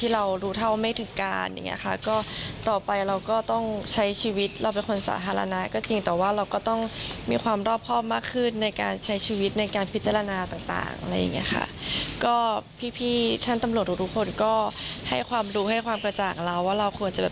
เราควรใช้ชีวิตทางแบบไหนอะไรอย่างนี้ครับ